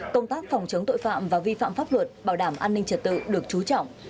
công tác phòng chống tội phạm và vi phạm pháp luật bảo đảm an ninh trật tự được trú trọng